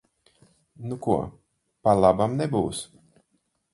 Nu ko, pa labam nebūs.